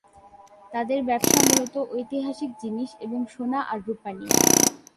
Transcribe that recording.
তাদের ব্যবসা মূলত ঐতিহাসিক জিনিস এবং সোনা আর রূপা নিয়ে।